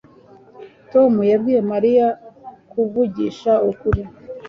Tom yabwiye Mariya kuvugisha ukuri